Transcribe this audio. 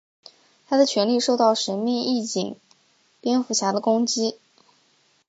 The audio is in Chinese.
他的权力受到神秘义警蝙蝠侠的攻击。